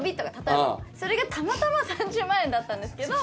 それがたまたま３０万円だったんですけど。